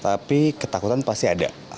tapi ketakutan pasti ada